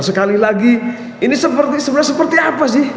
sekali lagi ini sebenarnya seperti apa sih